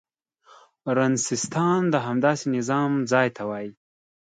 رنسانستان د همداسې نظام ځای ته وايي.